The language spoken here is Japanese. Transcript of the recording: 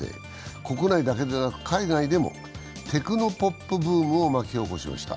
国内だけでなく海外でもテクノポップ・ブームを巻き起こしました。